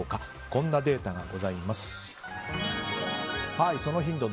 こんなデータがございます。